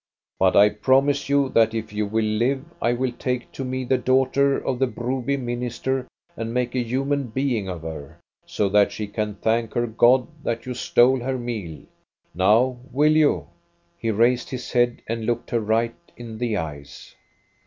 But I promise you that, if you will live, I will take to me the daughter of the Broby minister and make a human being of her, so that she can thank her God that you stole her meal. Now will you? " 26 INTRODUCTION He raised his head and looked her right in the eyes.